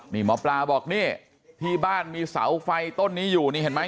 นี่หมอปลาบอกนี่ที่บ้านมีเสาไฟต้นนี้อยู่นี่เห็นไหม